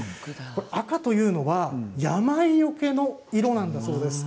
赤というのは病よけの色なんだそうです。